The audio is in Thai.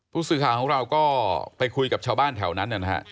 ผู้สื่อข่าวของเราก็ไปคุยกับชาวบ้านแถวนั้นนะฮะ